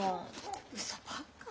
うそばっか。